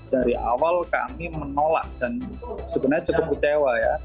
dari awal kami menolak dan sebenarnya cukup kecewa ya